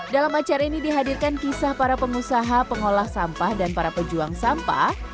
dalam acara ini dihadirkan kisah para pengusaha pengolah sampah dan para pejuang sampah